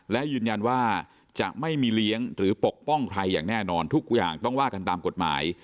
และยืนยันว่าจะไม่มีเลี้ยงหรือปกป้องใครอย่างแน่นอนทุกอย่างต้องว่ากันตามกฎหมาย